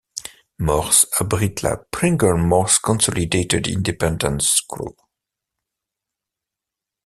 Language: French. Morse abrite la Pringle-Morse Consolited Independent School.